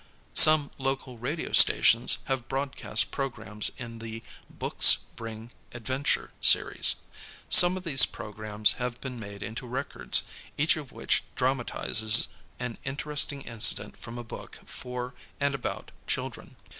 Some local radio stations have broadcast programs in the Books Bring Adventure Series. Some of these programs have been made into records each of which dramatizes an interesting incident from a book for and about children.